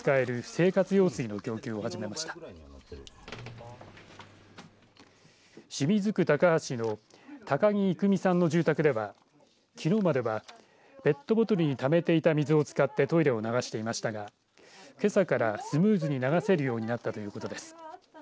清水区高橋の高木育美さんの住宅ではきのうまではペットボトルにためていた水を使ってトイレを流していましたがけさからスムーズに流せるようになったということです。